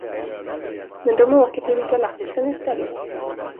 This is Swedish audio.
Men de åker till galaxen i stället.